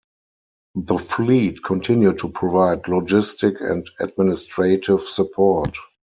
The fleet continued to provide logistic and administrative support.